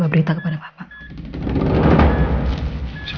karena sepertinya kondisi ibu